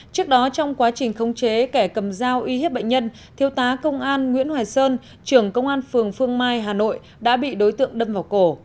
trước đó trong quá trình khống chế kẻ cầm dao uy hiếp bệnh nhân thiếu tá công an nguyễn hoài sơn trưởng công an phường phương mai hà nội đã bị đối tượng đâm vào cổ